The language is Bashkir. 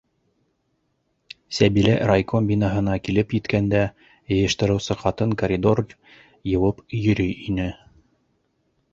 Сәбилә райком бинаһына килеп еткәндә йыйыштырыусы ҡатын коридор йыуып йөрөй ине.